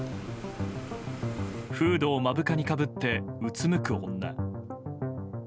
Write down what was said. フードを目深にかぶってうつむく女。